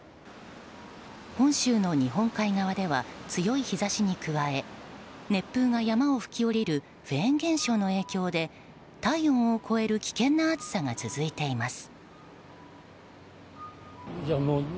本州の日本海側では強い日差しに加え熱風が山を吹き下りるフェーン現象の影響で体温を超える危険な暑さが続いています。